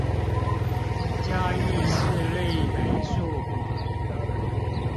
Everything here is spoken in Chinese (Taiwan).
嘉義市立美術館